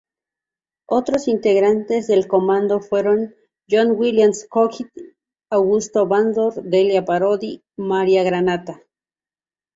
Otros integrantes del Comando fueron John William Cooke, Augusto Vandor, Delia Parodi, María Granata.